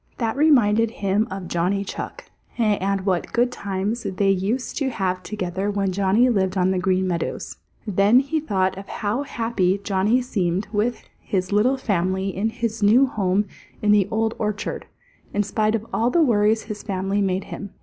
That reminded him of Johnny Chuck and what good times they used to have together when Johnny lived on the Green Meadows. Then he thought of how happy Johnny seemed with his little family in his new home in the Old Orchard, in spite of all the worries his family made him.